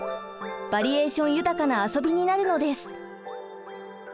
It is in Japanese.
バリエーション豊かな遊びになるのです。